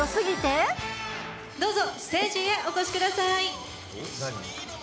どうぞ、ステージへお越しください。